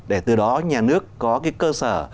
để từ đó nhà nước có cái cơ sở